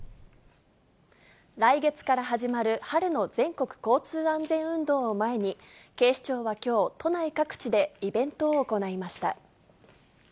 来月から始まる、春の全国交通安全運動を前に、警視庁はきょう、都内各地でイベントを行いました。